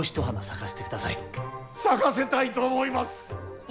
咲かせたいと思います。